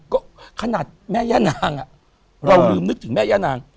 ก็ขนาดแม่ย่านางเราลืมนึกถึงแม่ย่านาง